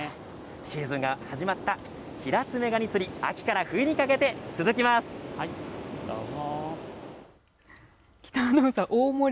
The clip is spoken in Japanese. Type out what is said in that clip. シーズンが始まったヒラツメガニ釣り、秋から冬にかけて続きどうも。